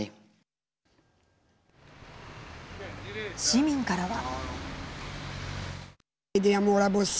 市民からは。